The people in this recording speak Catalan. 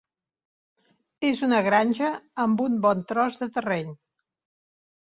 És una granja amb un bon tros de terreny.